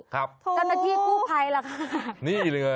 ครับถูกจัดหน้าที่กู้ไพร่ล่ะค่ะนี่หรือยังไง